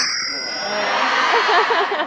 ดาวเก่ง